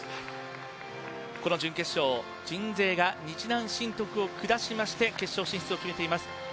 この準決勝鎮西が日南振徳を下しまして決勝進出を決めています。